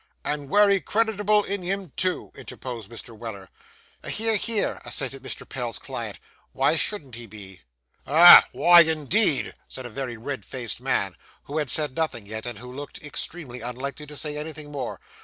'And wery creditable in him, too,' interposed Mr. Weller. 'Hear, hear,' assented Mr. Pell's client. 'Why shouldn't he be? 'Ah! Why, indeed!' said a very red faced man, who had said nothing yet, and who looked extremely unlikely to say anything more.